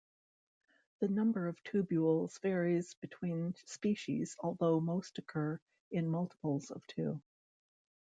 The number of tubules varies between species although most occur in multiples of two.